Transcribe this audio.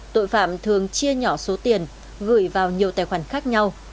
tội phạm thường chia nhỏ số tiền gửi vào nhiều tài khoản khác nhau